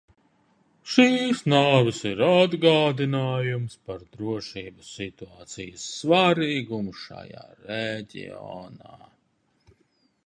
Šīs nāves ir atgādinājums par drošības situācijas svarīgumu šajā reģionā.